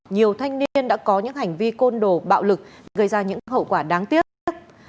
nhiều thanh niên đã có những hành vi côn đồ bạo lực gây ra những hậu quả đáng tiếc nhất